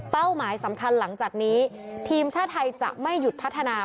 หมายสำคัญหลังจากนี้ทีมชาติไทยจะไม่หยุดพัฒนา